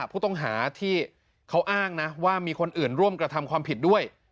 ผู้ต้องหาที่เขาอ้างนะว่ามีคนอื่นร่วมกระทำความผิดด้วย